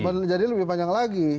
menjadi lebih panjang lagi